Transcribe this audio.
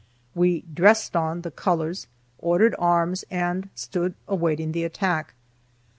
We "dressed on" the colors, ordered arms, and stood awaiting the attack.